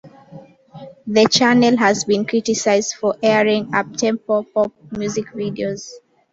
The channel has been criticised for airing uptempo-pop music videos.